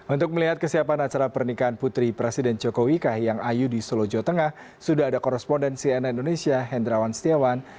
untuk melihat kesiapan acara pernikahan putri presiden jokowi kahiyang ayu di solo jawa tengah sudah ada korespondensi nn indonesia hendrawan setiawan